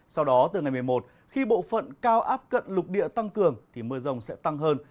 sau đó từ ngày một mươi một khi bộ phận cao áp cận lục địa tăng cường thì mưa rồng sẽ tăng hơn